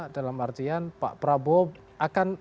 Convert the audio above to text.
dalam artian pak prabowo akan